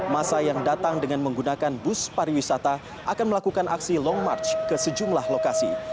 masa yang datang dengan menggunakan bus pariwisata akan melakukan aksi long march ke sejumlah lokasi